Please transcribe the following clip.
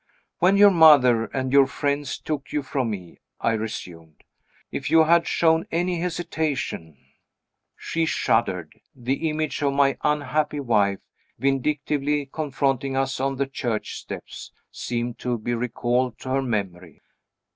"When your mother and your friends took you from me," I resumed, "if you had shown any hesitation " She shuddered. The image of my unhappy wife, vindictively confronting us on the church steps, seemed to be recalled to her memory.